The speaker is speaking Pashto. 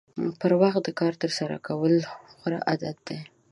پر وخت د کار ترسره کول غوره عادت دی.